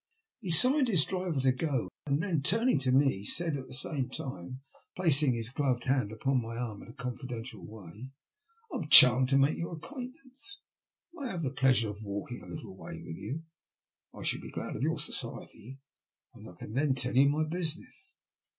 " I He signed to his driver to go, and then, taming to me, said, at the same time placing his gloved hand ' npon my arm in a confidential way :" I am charmed to make your acquaintance. May I have the pleasure of walking a little way with you ? I should be glad of your society, and I can then tell you my business."